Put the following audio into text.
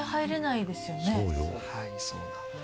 はいそうなんです。